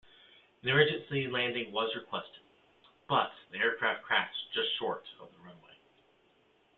An emergency landing was requested, but the aircraft crashed just short of the runway.